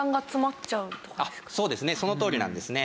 そうですねそのとおりなんですね。